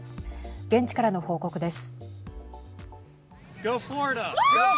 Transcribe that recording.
現地からの報告です。